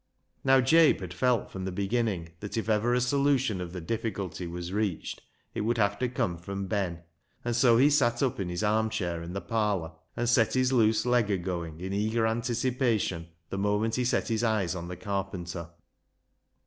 Now Jabe had felt from the beginning that if ever a solution of the difficulty was reached it would have to come from Ben, and so he sat up in his arm chair in the parlour and set his loose leg a going in eager anticipation the moment he set his eyes on the carpenter.